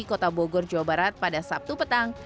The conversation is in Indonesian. kota bogor jawa barat pada sabtu petang